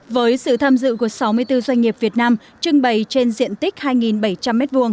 với sự tham dự của sáu mươi bốn doanh nghiệp việt nam trưng bày trên diện tích hai bảy trăm linh m hai